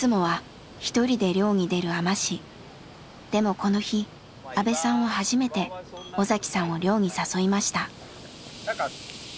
でもこの日阿部さんは初めて尾さんを漁に誘いました。